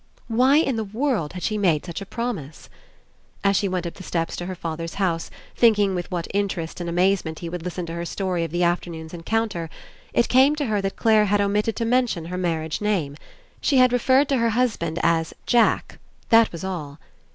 Why In the world had she made such a promise? As she went up the steps to her father's house, thinking with what interest and amaze ment he would listen to her story of the after noon's encounter, It came to her that Clare had omitted to mention her marriage name. She had referred to her husband as Jack. That was all.